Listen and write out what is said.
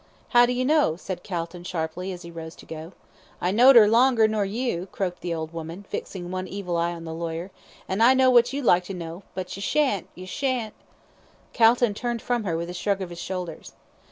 "How do you know?" said Calton, sharply, as he rose to go. "I knowd 'er longer nor you," croaked the old woman, fixing one evil eye on the lawyer; "an' I know what you'd like to know; but ye shan't, ye shan't." Calton turned from her with a shrug of his shoulders.